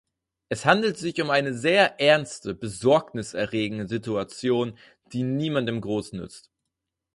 Es handelt sich um eine sehr ernste, Besorgnis erregende Situation, die niemandem groß nützt.